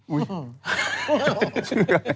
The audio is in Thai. อุ่ย